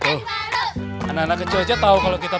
tuh anak anak kecil aja tau kalau kita pengantin baru